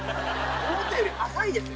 思ったより浅いです。